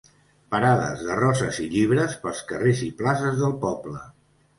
Parades de roses i llibres pels carrers i places del poble.